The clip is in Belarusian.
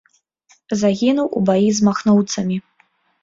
Загінуў у баі з махноўцамі.